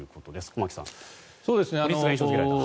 駒木さん。